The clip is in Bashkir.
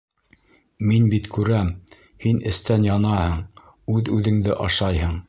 Мин бит күрәм, һин эстән янаһың, үҙ-үҙеңде ашайһың.